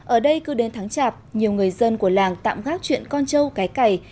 ở đây cứ đến tháng chạp nhiều người dân của làng tạm gác chuyện con trâu cái cày